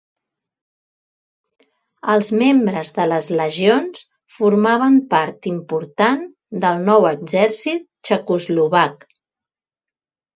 Els membres de les legions formaven part important del nou exèrcit txecoslovac.